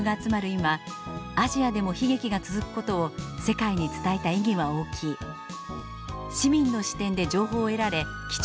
今アジアでも悲劇が続くことを世界に伝えた意義は大きい」「市民の視点で情報を得られ貴重だった」